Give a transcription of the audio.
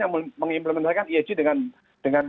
yang mengimplementasikan esg dengan